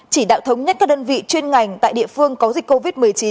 chỉ đạo thống nhất các đơn vị chuyên ngành tại địa phương có dịch covid một mươi chín